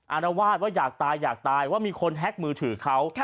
อารวาสว่าอยากตายอยากตายว่ามีคนแฮ็กมือถือเขา